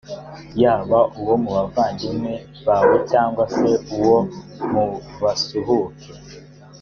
yaba uwo mu bavandimwe bawe cyangwa se uwo mu basuhuke